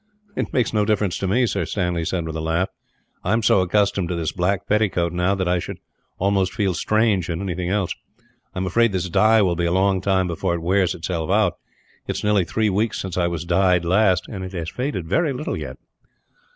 "It makes no difference to me, sir," Stanley said, with a laugh. "I am so accustomed to this black petticoat, now, that I should almost feel strange in anything else. I am afraid this dye will be a long time before it wears itself out. It is nearly three weeks since I was dyed last, and it has faded very little, yet."